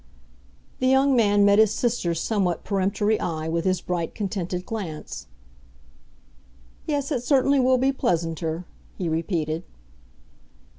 The young man met his sister's somewhat peremptory eye with his bright, contented glance. "Yes, it certainly will be pleasanter," he repeated.